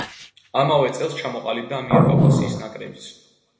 ამავე წელს ჩამოყალიბდა ამიერკავკასიის ნაკრებიც.